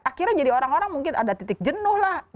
akhirnya jadi orang orang mungkin ada titik jenuh lah